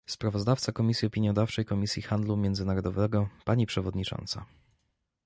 spawozdawca komisji opiniodawczej Komisji Handlu Międzynarodowego - Pani przewodnicząca